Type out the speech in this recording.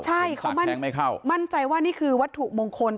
ใช่เค้ามั่นศักดิ์แทงไม่เข้ามั่นใจนี่คือวัตถุโมงคล